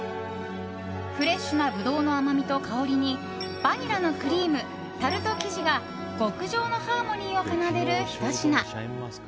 フレッシュなブドウの甘みと香りにバニラのクリーム、タルト生地が極上のハーモニーを奏でるひと品。